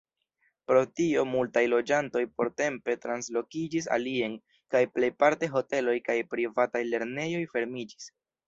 Pro tio multaj loĝantoj portempe translokiĝis alien, kaj plejparte hoteloj kaj privataj lernejoj fermiĝis.